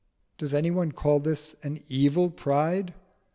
Does any one call this an evil pride?